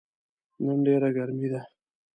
نن ډیره ګرمې ده